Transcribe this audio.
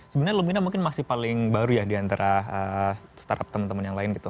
sebenarnya lumina mungkin masih paling baru ya diantara startup teman teman yang lain gitu